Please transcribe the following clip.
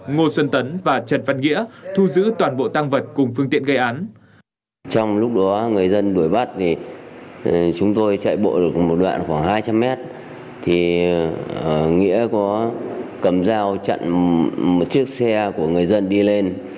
ngô xuân tấn và trần văn nghĩa thu giữ toàn bộ tăng vật cùng phương tiện gây án